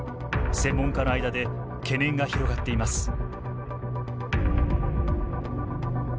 専門家の間で懸念が広がっています。